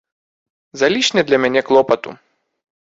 Залішне для мяне клопату.